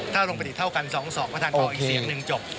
ถ้าลงประดิษฐเท่ากัน๒๒ประธานต่ออีกเสียงหนึ่งจบ